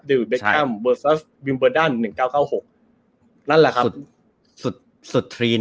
สุดทรีนบอกเลยลูกนี้